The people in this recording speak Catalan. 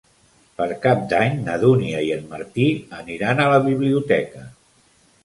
Per Cap d'Any na Dúnia i en Martí aniran a la biblioteca.